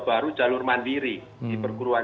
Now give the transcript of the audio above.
baru jalur mandiri di perguruan